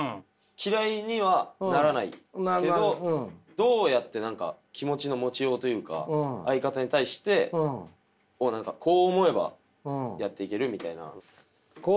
嫌いにはならないけどどうやって気持ちの持ちようというか相方に対してこう思えばやっていける。